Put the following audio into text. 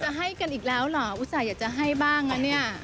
ให้กันอีกแล้วเหรออุตส่าห์อยากจะให้บ้างนะเนี่ย